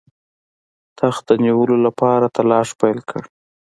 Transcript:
تخت د نیولو لپاره تلاښ پیل کړ.